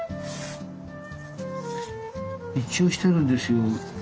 一応してるんですよ。